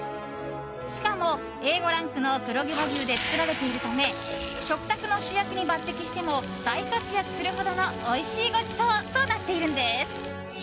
しかも、Ａ５ランクの黒毛和牛で作られているため食卓の主役に抜擢しても大活躍するほどのおいしいごちそうとなっているんです。